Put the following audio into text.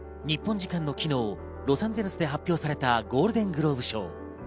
日本時間の昨日、ロサンゼルスで発表されたゴールデングローブ賞。